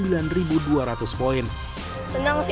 bagaimana perhatian adanya kondisi menurut anda